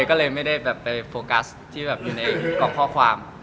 ก็เลยไม่ได้แบบไปโฟกัสที่แบบอยู่ในกล่องข้อความ